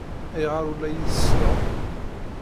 Ayɣer ur la iyi-tselleḍ?